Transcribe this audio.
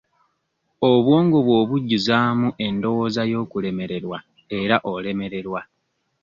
Obwongo bw'obujjuzaamu endowooza y'okulemererwa era olemererwa.